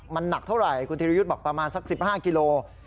มันหนักเท่าไหร่คุณธิรยุทธ์บอกประมาณสัก๑๕กิโล